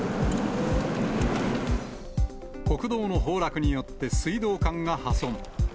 国道の崩落によって水道管が破損。